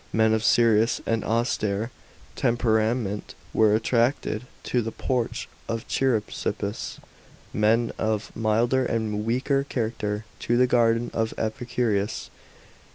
Men of serious and austere temperament were attracted to the Porch of Chrysippus ; men of milder and weaker character to the Garden of Epicurus.